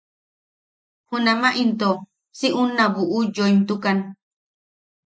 Junama intoko si unna buʼu yoimtukan.